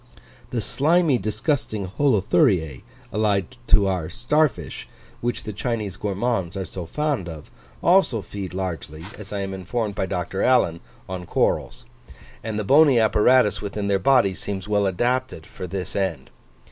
The slimy disgusting Holuthuriae (allied to our star fish), which the Chinese gourmands are so fond of, also feed largely, as I am informed by Dr. Allan, on corals; and the bony apparatus within their bodies seems well adapted for this end.